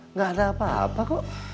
nggak ada apa apa kok